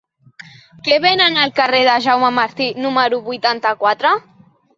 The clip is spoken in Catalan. Què venen al carrer de Jaume Martí número vuitanta-quatre?